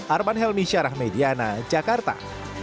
arman helmi syarah mediana jakarta